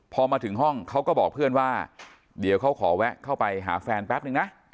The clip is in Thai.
พอมาถึงห้องเขาก็บอกเพื่อนว่าเดี๋ยวเขาขอแวะเข้าไปหาแฟนแป๊บนึงนะ